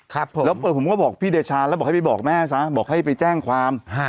ครับผมแล้วผมก็บอกพี่เดชาแล้วบอกให้ไปบอกแม่ซะบอกให้ไปแจ้งความฮะ